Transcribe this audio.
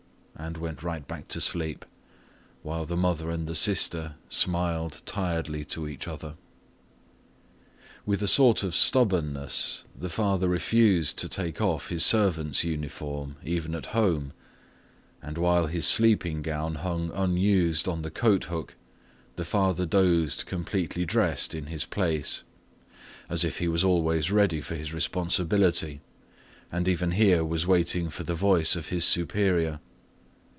and went right back to sleep, while the mother and the sister smiled tiredly to each other. With a sort of stubbornness the father refused to take off his servant's uniform even at home, and while his sleeping gown hung unused on the coat hook, the father dozed completely dressed in his place, as if he was always ready for his responsibility and even here was waiting for the voice of his superior.